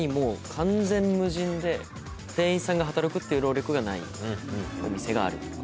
店員さんが働くっていう労力がないお店があるとか。